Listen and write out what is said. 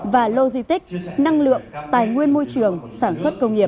và logistics năng lượng tài nguyên môi trường sản xuất công nghiệp